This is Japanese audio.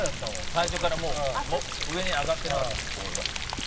最初からもう上に上がってなかったボールが。